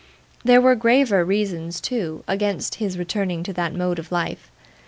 There were graver reasons, too, against his returning to that mode of life.